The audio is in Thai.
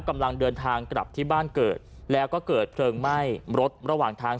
กำลังเดินทางกลับที่บ้านเกิดแล้วก็เกิดเพลิงไหม้รถระหว่างทาง